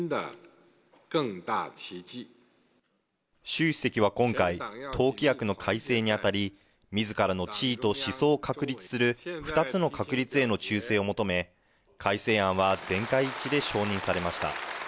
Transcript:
習主席は今回、党規約の改正にあたり、みずからの地位と思想を確立する二つの確立への忠誠を求め、改正案は全会一致で承認されました。